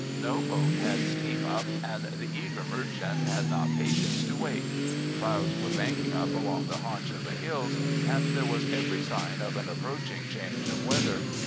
No boat had steam up, and the eager merchant had not patience to wait. Clouds were banking up along the haunch of the hills, and there was every sign of an approaching change of weather.